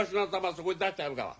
そこに出してあるから。